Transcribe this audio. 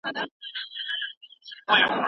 ما په اتم ټولګي کي د ملي هندارې کتاب واخيست.